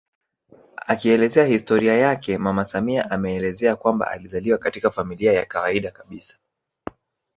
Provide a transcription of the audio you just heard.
Akielezea historia yake mama samia ameelezea kwamba alizaliwa katika familia ya kawaida kabisa